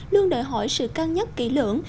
luôn đòi hỏi sự can nhắc kỹ lưỡng